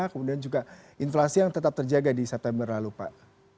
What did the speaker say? kemudian juga inflasi yang tetap terjaga di september lalu pak